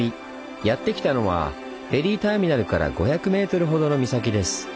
やって来たのはフェリーターミナルから５００ｍほどの岬です。